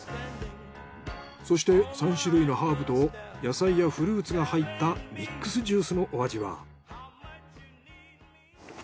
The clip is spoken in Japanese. そして３種類のハーブと野菜やフルーツが入ったミックスジュースのお味は？